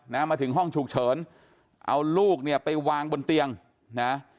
มาถึงห้องฉุกเฉินเอาลูกเนี่ยไปวางบนเตียงนะ